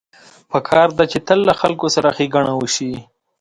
پکار ده چې تل له خلکو سره ښېګڼه وشي